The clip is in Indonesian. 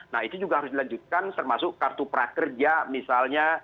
nah itu juga harus dilanjutkan termasuk kartu prakerja misalnya